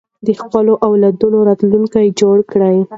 د خپلو اولادونو راتلونکی جوړ کړئ.